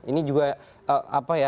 ini juga apa ya